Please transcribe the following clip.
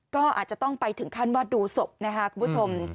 ก็อาจจะต้องไปถึงขั้นว่าดูศพนะคะคุณผู้ชม